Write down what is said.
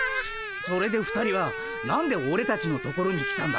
それで２人は何でオレたちのところに来たんだ？